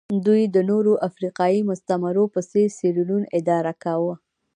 دوی د نورو افریقایي مستعمرو په څېر سیریلیون اداره کاوه.